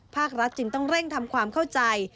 ภาครัฐจึงต้องเร่งทำความเข้าใจ